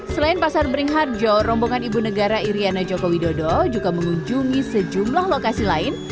selain pasar beringharjo rombongan ibu negara iryana joko widodo juga mengunjungi sejumlah lokasi lain